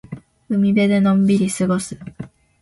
海辺でのんびり過ごす。